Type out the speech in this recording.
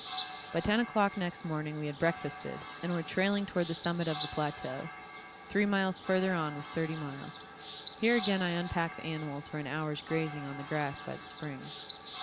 By ten o'clock next morning we had breakfasted, and were trailing toward the summit of the plateau. Three miles further on was Thirty Mile. Here again I unpacked the animals for an hour's grazing on the grass by the spring.